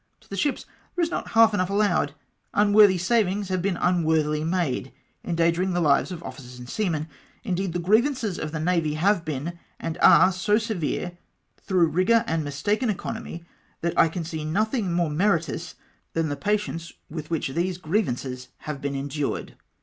To the ships there is not half enough allowed. Unworthy savings have been unworthily made, endangering the lives of officers and seamen. Indeed the grievances of the Navy have been, and are so severe, through rigour and mistaken economy, that I can see nothing more meritorious than the patience with which these griev ances have been endured.'